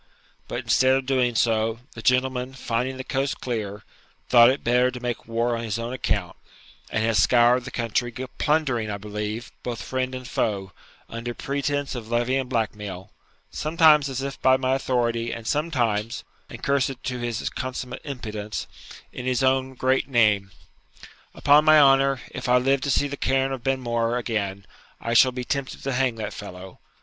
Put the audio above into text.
But, instead of doing so, the gentleman, finding the coast clear, thought it better to make war on his own account, and has scoured the country, plundering, I believe, both friend and foe, under pretence of levying blackmail, sometimes as if by my authority, and sometimes (and be cursed to his consummate impudence) in his own great name! Upon my honour, if I live to see the cairn of Benmore again, I shall be tempted to hang that fellow!